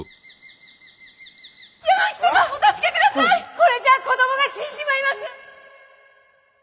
これじゃ子どもが死んじまいます！